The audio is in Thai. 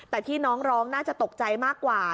แต่ที่น้องร้องน่าจะตกใจมากกว่า